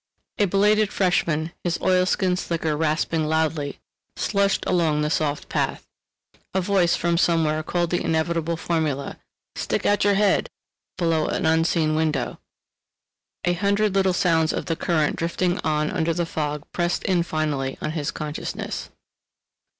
A belated freshman, his oilskin slicker rasping loudly, slushed along the soft path. A voice from somewhere called the inevitable formula, "Stick out your head!" below an unseen window. A hundred little sounds of the current drifting on under the fog pressed in finally on his consciousness.